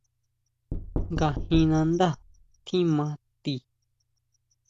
¿Ngajin nandá tjima ti?